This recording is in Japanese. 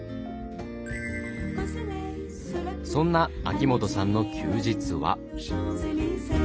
そんな秋元さんの休日は。